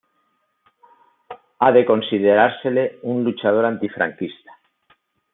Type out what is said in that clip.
Ha de considerársele un luchador antifranquista.